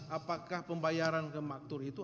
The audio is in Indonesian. apakah pembayaran ke maktur itu